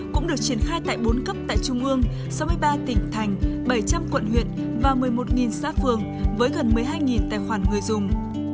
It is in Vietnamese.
cũng được triển khai tại bốn cấp tại trung ương sáu mươi ba tỉnh thành bảy trăm linh quận huyện và một mươi một xã phường với gần một mươi hai tài khoản người dùng